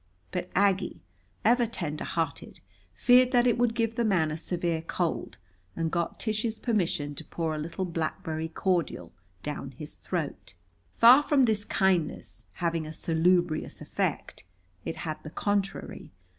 But Aggie, ever tender hearted, feared that it would give the man a severe cold, and got Tish's permission to pour a little blackberry cordial down his throat. Far from this kindness having a salubrious effect, it had the contrary.